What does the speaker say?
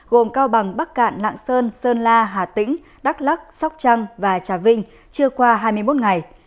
gồm cao bằng bắc cạn lạng sơn sơn la hà tĩnh đắk lắc sóc trăng và trà vinh chưa qua hai mươi một ngày